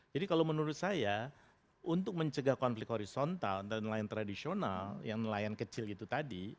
jadi kalau menurut saya untuk mencegah konflik horizontal antara nelayan tradisional yang nelayan kecil itu tadi